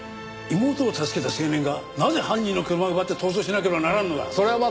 妹を助けた青年がなぜ犯人の車を奪って逃走しなければならんのだ？